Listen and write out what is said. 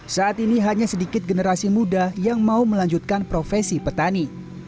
saat ini hanya sedikit generasi muda yang mau melanjutkan profesi petani